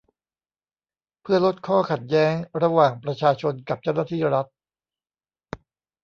เพื่อลดข้อขัดแย้งระหว่างประชาชนกับเจ้าหน้าที่รัฐ